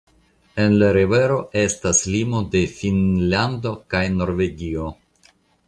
En la rivero estas limo de Finnlando kaj Norvegio.